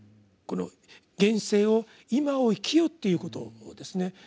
この現世を「今を生きよ」ということですね。